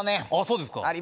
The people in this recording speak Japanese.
そうですか。